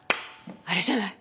あれじゃない？